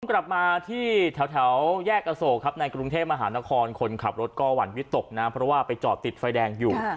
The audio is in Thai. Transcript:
กลับมาที่แถวแยกอโศกครับในกรุงเทพมหานครคนขับรถก็หวั่นวิตกนะเพราะว่าไปจอดติดไฟแดงอยู่